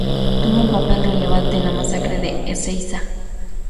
Tuvo un papel relevante en la Masacre de Ezeiza.